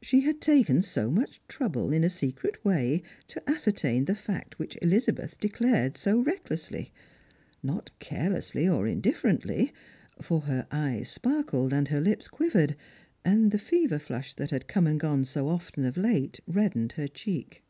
She had taken so much trouble, in a secret way, to ascertain the fact which Elizabeth declared so recklessly ; not carelessly or indifferently — for her eyes sparkled, and her lips quivered, and the fever fiush that had come and gone so often of late reddened her cheek.